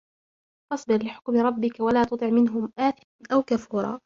فَاصْبِرْ لِحُكْمِ رَبِّكَ وَلَا تُطِعْ مِنْهُمْ آثِمًا أَوْ كَفُورًا